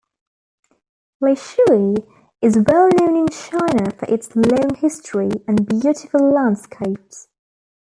Lishui is well known in China for its long history and beautiful landscapes.